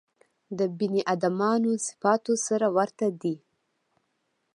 د بني ادمانو صفاتو سره ورته دي.